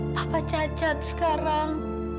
papa cacat sekarang